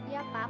ya pak apa